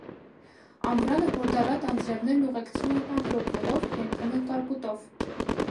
Ամռանը հորդառատ անձրևներն ուղեկցվում են ամպրոպներով, երբեմն ՝ կարկուտով։